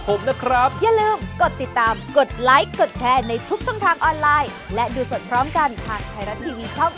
โปรดติดตามตอนต่อไป